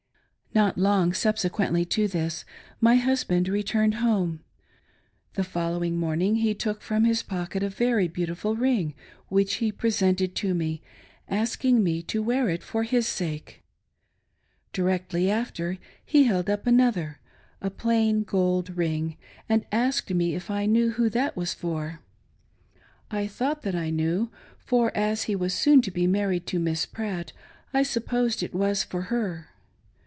Not long subsequently to this, my husband returned home. The following morning he took from his pocket a very beauti ful ring which he presented to me, asking me to wear it for his sake. Directly after, he held up another — a plain gold ' ring — and asked me if I knew who that was for. I thought that I knew, for, as he was soon to be married to Miss Pratt, I supposed it was for her.